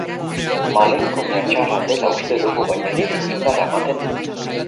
Malenkonia txarra dela uste dugu baina niri indarra ematen dit.